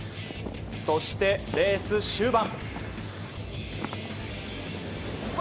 そして、レース終盤。